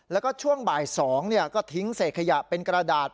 แล้วก็ช่วงบ่าย๒ก็ทิ้งเศษขยะเป็นกระดาษ